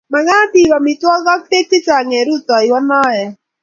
Mekat iib amitwogik ak beek chechang' eng' ruitoiwo noe